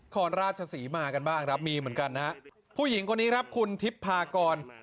รราชศรีมากันบ้างครับมีเหมือนกันนะฮะผู้หญิงคนนี้ครับคุณทิพพากร